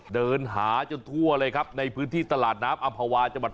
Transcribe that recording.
เดินหาจนทั่วเลยครับในพื้นที่ตลาดน้ำอัมภาวา